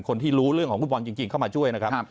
คนที่รู้เรื่องของฟุตบอลจริงเข้ามาช่วยนะครับ